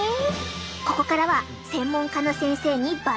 ここからは専門家の先生にバトンタッチ！